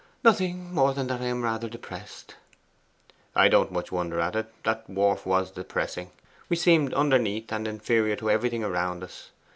'Nothing more than that I am rather depressed.' 'I don't much wonder at it; that wharf was depressing. We seemed underneath and inferior to everything around us.